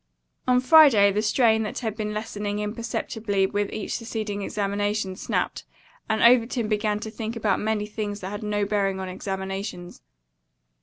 On Friday, the strain, that had been lessening imperceptibly with each succeeding examination, snapped, and Overton began to think about many things that had no bearing on examinations.